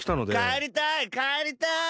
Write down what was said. かえりたいかえりたい。